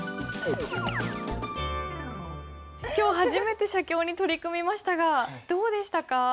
今日初めて写経に取り組みましたがどうでしたか？